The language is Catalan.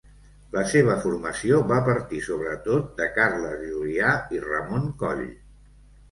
La seva formació va partir sobretot de Carles Julià i Ramon Coll.